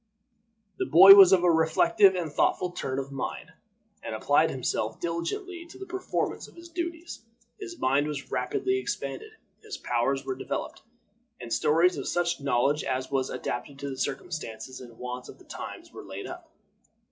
The boy was of a reflective and thoughtful turn of mind, and applied himself diligently to the performance of his duties. His mind was rapidly expanded, his powers were developed, and stores of such knowledge as was adapted to the circumstances and wants of the times were laid up.